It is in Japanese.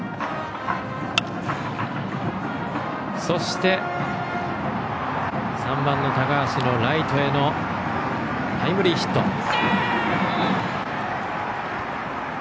そして、３番の高橋のライトへのタイムリーヒット。